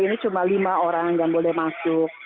ini cuma lima orang yang boleh masuk